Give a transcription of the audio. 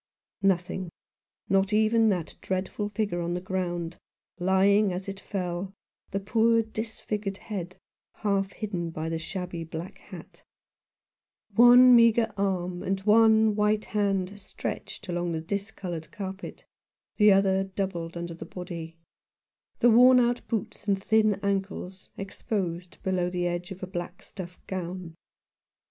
Nothing — not even that dreadful figure on the ground, lying as it fell, the poor disfigured head half hidden by the shabby black hat ; one meagre arm and wan white hand stretched along the dis coloured carpet, the other doubled under the body ; the worn out boots and thin ankles exposed below the edge of a black stuff gown.